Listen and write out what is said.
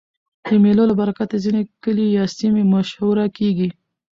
د مېلو له برکته ځيني کلي یا سیمې مشهوره کېږي.